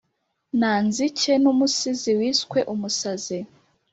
Nanzike n’umusizi wiswe umusazi